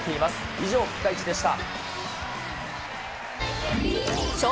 以上、ピカイチでした。